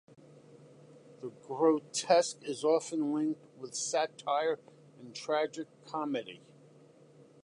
The Grotesque is often linked with satire and tragicomedy.